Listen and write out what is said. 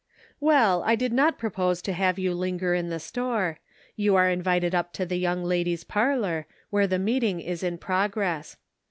" Well I did not propose to have yon linger in the store. You are invited up to the young ladies' parlor, where the meeting is in progress.